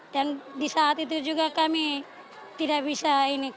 dan di saat itu juga kami tidak bisa ini